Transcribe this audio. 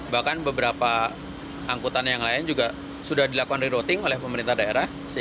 bahkan beberapa angkutan yang lain juga sudah dilakukan rerouting oleh pemerintah daerah